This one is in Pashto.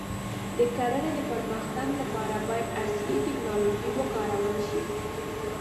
د کرنې د پرمختګ لپاره باید عصري ټکنالوژي وکارول شي.